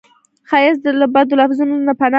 ښایست له بدو لفظونو نه پناه غواړي